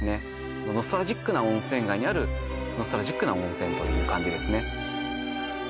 もうノスタルジックな温泉街にあるノスタルジックな温泉という感じですね